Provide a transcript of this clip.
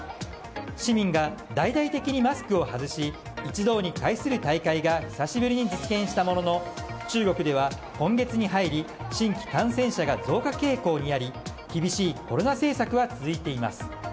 市民が大々的にマスクを外し一堂に会する大会が久しぶりに実現したものの中国では今月に入り新規感染者が増加傾向にあり厳しいコロナ政策は続いています。